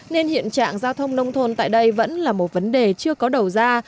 nên hiện trạng giao thông nông thôn tại đây vẫn là một vấn đề chưa có đầu ra